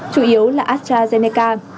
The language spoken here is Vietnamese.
chủ yếu là astrazeneca